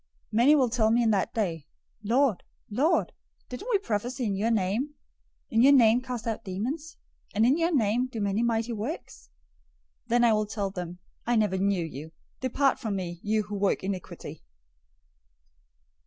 007:022 Many will tell me in that day, 'Lord, Lord, didn't we prophesy in your name, in your name cast out demons, and in your name do many mighty works?' 007:023 Then I will tell them, 'I never knew you. Depart from me, you who work iniquity.'